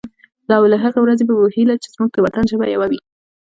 او د هغه ورځې په هیله چې زمونږ د وطن ژبه یوه وي.